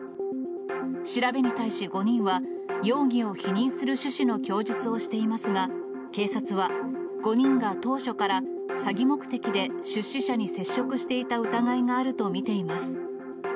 調べに対し５人は、容疑を否認する趣旨の供述をしていますが、警察は、５人が当初から、詐欺目的で出資者に接触していた疑いがあると見ています。